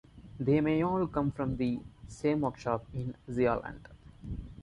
They may all come from the same workshop in Zealand.